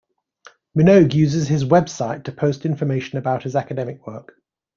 Minogue uses his website to post information about his academic work.